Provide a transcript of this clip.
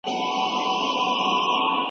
انټرنیټ یې ډیر تیز دی.